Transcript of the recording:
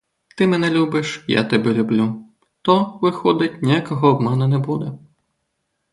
Ти мене любиш, я тебе люблю, то, виходить, ніякого обману не буде.